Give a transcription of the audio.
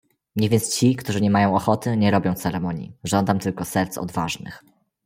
"Niech więc ci, którzy niemają ochoty, nie robią ceremonii; żądam tylko serc odważnych."